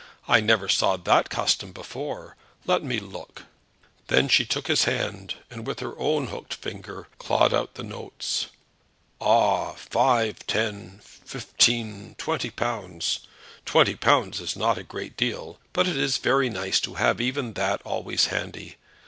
I never saw that custom before. Let me look." Then she took his hand, and with her own hooked finger clawed out the notes. "Ah! five, ten, fifteen, twenty pounds. Twenty pounds is not a great deal, but it is very nice to have even that always handy.